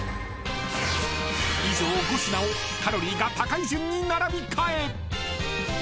［以上５品をカロリーが高い順に並び替え］